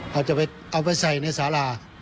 เอาจะไปเอาไปใส่ในสารา